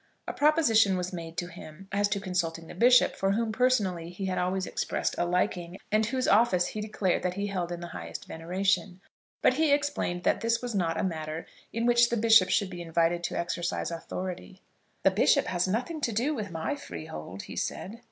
A proposition was made to him as to consulting the bishop, for whom personally he always expressed a liking, and whose office he declared that he held in the highest veneration; but he explained that this was not a matter in which the bishop should be invited to exercise authority. "The bishop has nothing to do with my freehold," he said.